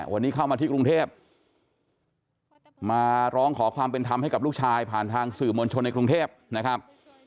วันนี้เข้ามาที่กรุงเทพมาร้องขอความเป็นธรรมให้กับลูกชายผ่านทางสื่อมวลชนในกรุงเทพนะครับ